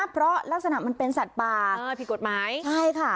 เพราะลักษณะมันเป็นสัตว์ป่าผิดกฎหมายใช่ค่ะ